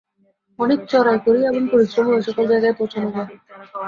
অনেক চড়াই করিয়া এবং পরিশ্রমে ঐ-সকল জায়গায় পৌঁছান যায়।